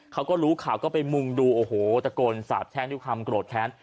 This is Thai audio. เขาก็รู้ข่าวก็ไปมุงดูโอ้โหตะโกนสาบแช่งด้วยความโกรธแค้น